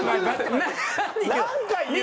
何回言うの？